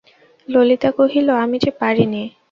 ললিতা কহিল, আমি যে পারি নে।